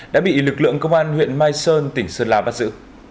đã bị lực lượng công an huyện mai sơn tỉnh sơn la bắt giữ